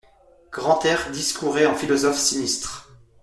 Grantaire discourait en philosophe sinistre.